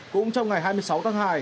cũng trong ngày hai mươi sáu tháng hai